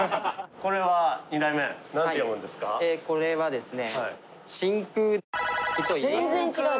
これはですね。